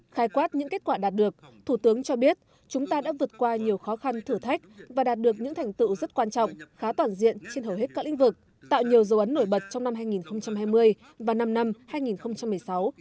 khai quát những kết quả đạt được thủ tướng cho biết chúng ta đã vượt qua nhiều khó khăn thử thách và đạt được những thành tựu rất quan trọng khá toàn diện trên hầu hết các lĩnh vực tạo nhiều dấu ấn nổi bật trong năm hai nghìn hai mươi và năm năm hai nghìn một mươi sáu hai nghìn hai